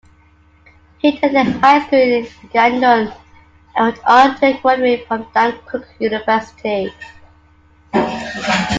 He attended high school in Gangneung and went on to graduate from Dankook University.